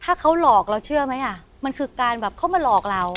ถ้าเขาหลอกเราเชื่อไหมอ่ะมันคือการแบบเขามาหลอกเรา